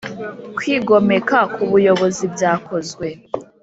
kwigomeka ku buyobozi byakozwe.